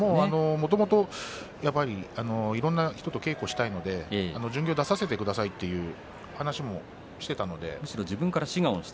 もともといろんな人と稽古したいので巡業、出させてくださいと話もしていたので。